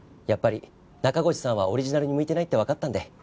やっぱり中越さんはオリジナルに向いてないってわかったんで。